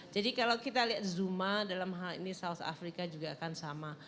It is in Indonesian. jadi kalau kita lihat zuma dalam hal ini south africa juga akan sama